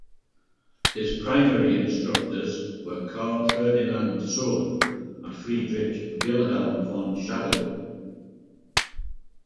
His primary instructors were Karl Ferdinand Sohn and Friedrich Wilhelm von Schadow.